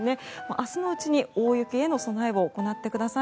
明日のうちに大雪への備えを行ってください。